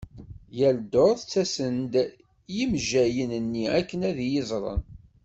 Yal ddurt ttasen-d yimejjayen-nni akken ad iyi-iẓren.